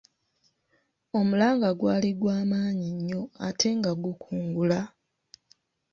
Omulanga gwali gwamanyi nnyo ate nga gukungula.